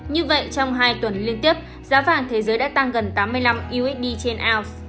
như vậy trong hai tuần liên tiếp giá vàng thế giới đã tăng gần tám mươi năm usd trên ounce